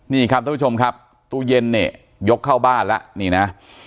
นี่ครับท่านผู้ชมครับตู้เย็นเนี่ยยกเข้าบ้านแล้วนี่นะ